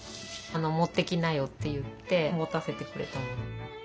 持ってきなよって言って持たせてくれたもの。